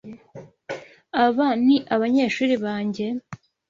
Aba ni abanyeshuri banjye.